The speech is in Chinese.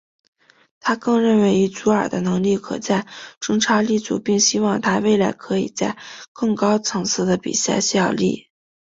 他更认为以祖尔的能力可在中超立足并希望他未来可以在更高层次的比赛效力。